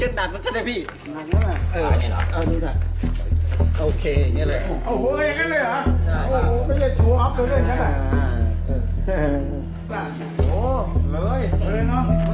เอาเอานี่ค่ะเอาเคอย่างเงี้ยเลยอ้าวโอ้โหเลยเลยเนอะ